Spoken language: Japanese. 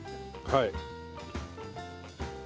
はい。